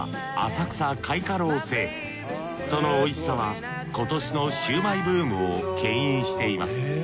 その美味しさは今年のシュウマイブームをけん引しています。